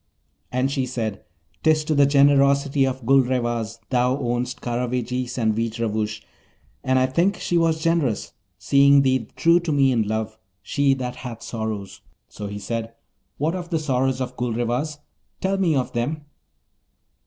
And she said, ''Tis to the generosity of Gulrevaz thou owest Karavejis and Veejravoosh; and I think she was generous, seeing thee true to me in love, she that hath sorrows!' So he said, 'What of the sorrows of Gulrevaz? Tell me of them.'